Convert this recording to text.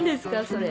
それ。